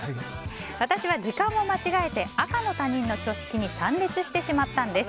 私は時間を間違えて赤の他人の挙式に参列してしまったんです。